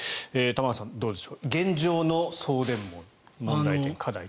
玉川さん、どうでしょう現状の送電網の問題点、課題。